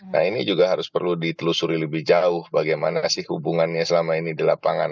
nah ini juga harus perlu ditelusuri lebih jauh bagaimana sih hubungannya selama ini di lapangan